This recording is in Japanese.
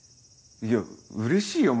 いやうれしいよ